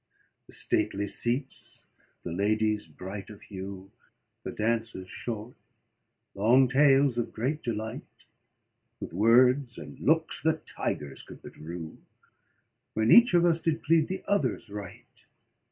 The stately seats, the ladies bright of hue, The dances short, long tales of great delight; With words and looks that tigers could but rue, When each of us did plead the other's right.